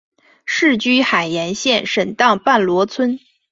世居海盐县沈荡半逻村。